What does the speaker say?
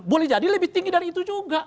boleh jadi lebih tinggi dari itu juga